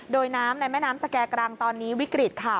โดยน้ำในแม่น้ำสแก่กรังตอนนี้วิกฤตค่ะ